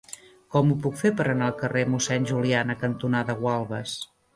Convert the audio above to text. Com ho puc fer per anar al carrer Mossèn Juliana cantonada Gualbes?